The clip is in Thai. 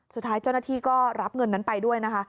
สุดท้ายเจ้าหน้าที่ก็รับเงินนั้นไปด้วยนะคะ